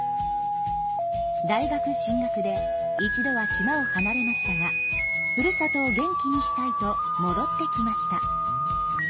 大学進学で一度は島を離れましたがふるさとを元気にしたいともどってきました。